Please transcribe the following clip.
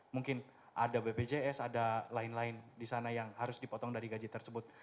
mungkin ada bpjs ada lain lain di sana yang harus dipotong dari gaji tersebut